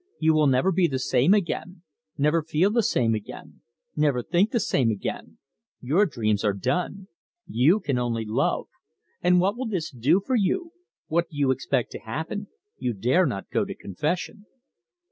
You will never be the same again never feel the same again never think the same again; your dreams are done! You can only love. And what will this love do for you? What do you expect to happen you dare not go to confession!"